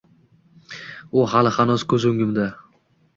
U hali-hanuz ko‘z-o‘ngimda.